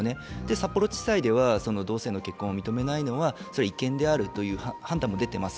札幌地裁では同性の結婚を認めないのは違憲だという判断が出ています。